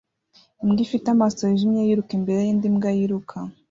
Imbwa ifite amaso yijimye yiruka imbere yindi mbwa yiruka